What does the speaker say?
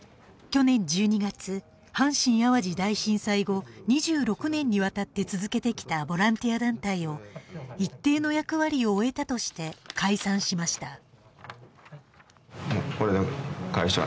去年１２月、阪神・淡路大震災後２６年にわたって続けてきたボランティア団体を一定の役割を終えたとして解散しました。